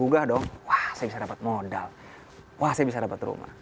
wah saya bisa dapat rumah